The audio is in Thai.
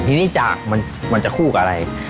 ทีนี้จากมันจะคู่กับอะไร